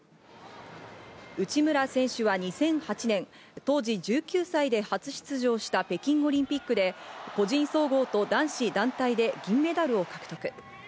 内村選手は２００８年、当時１９歳で初出場した北京オリンピックで個人総合と男子団体で銀メダルを獲得。